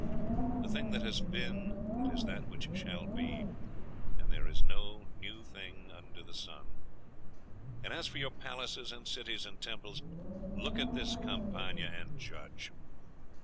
The thing that has been, it is that which shall be; and there is no new thing under the sun.... 'And as for your palaces, and cities, and temples.... look at this Campagna, and judge.